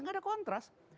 nggak ada kontras